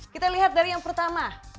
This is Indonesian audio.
kita lihat dari yang pertama